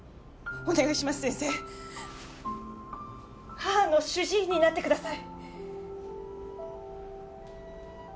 母の主治医になってください！